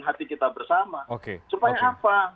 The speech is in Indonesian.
hati kita bersama supaya apa